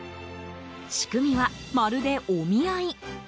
仕組みは、まるでお見合い。